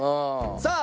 さあ